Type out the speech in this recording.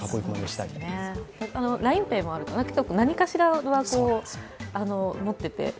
ＬＩＮＥＰａｙもあるので、何かしら持ってて。